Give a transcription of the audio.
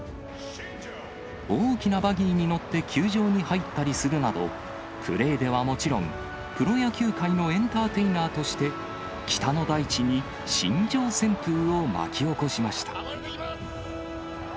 大きなバギーに乗って球場に入ったりするなど、プレーではもちろん、プロ野球界のエンターテイナーとして、北の大地に新庄旋風を巻き起こしました。